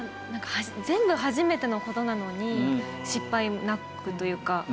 全部初めての事なのに失敗なくというか。